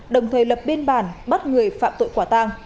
đồng thời lập biên bản bắt người phạm tội quả tang